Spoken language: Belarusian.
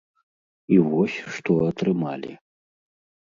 І вось, што атрымалі.